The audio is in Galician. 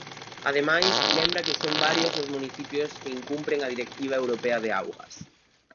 Ademais, lembra que son varios os municipios que incumpren a directiva europea de augas.